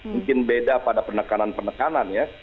mungkin beda pada penekanan penekanan ya